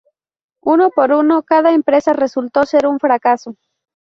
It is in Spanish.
Uno por uno, cada empresa resultó ser un fracaso.